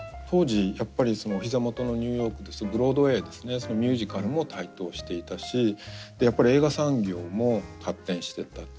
当時やっぱりお膝元のニューヨークですとブロードウェイですねミュージカルも台頭していたしやっぱり映画産業も発展してった。